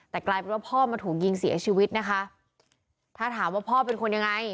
แต่กลายเป็นว่าพ่อมาถูกยิงเสียชีวิตนะคะถ้าถามว่าพ่อเป็นคนยังไง